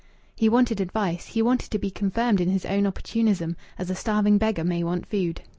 He wanted advice, he wanted to be confirmed in his own opportunism, as a starving beggar may want food.